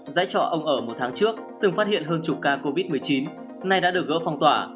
dãy trọ ông ở một tháng trước từng phát hiện hơn chục ca covid một mươi chín nay đã được gỡ phong tỏa